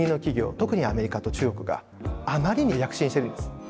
特にアメリカと中国があまりに躍進しているんです。